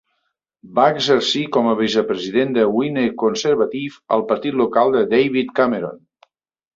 Va exercir com a vicepresident de Witney Conservative, el partit local de David Cameron.